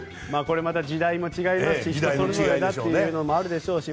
時代も違いますし人それぞれだというのもあるでしょうし。